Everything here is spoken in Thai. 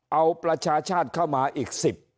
เอาประชาชาติเข้ามาอีก๑๐